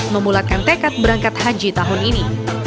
memulatkan tekad berangkat haji tahun ini